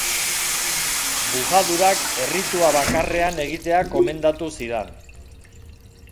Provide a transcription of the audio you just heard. Bujadurak erritua bakarrean egitea gomendatu zidan.